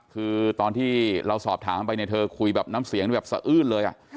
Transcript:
คือตอนที่เราสอบถามไปเนี่ยเธอคุยแบบน้ำเสียงแบบสะอื้นเลย